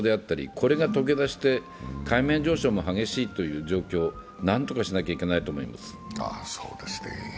これがとけ出して海面上昇も激しいという状況を何とかしなきゃいけないと思います。